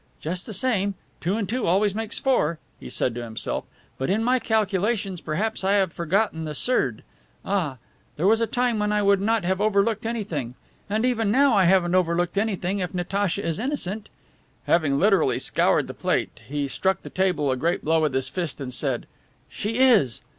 "Just the same, two and two always make four," he said to himself; "but in my calculations perhaps I have forgotten the surd. Ah, there was a time when I would not have overlooked anything. And even now I haven't overlooked anything, if Natacha is innocent!" Having literally scoured the plate, he struck the table a great blow with his fist and said: "She is!"